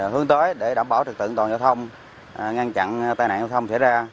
hướng tới để đảm bảo trực tự toàn giao thông ngăn chặn tai nạn giao thông xảy ra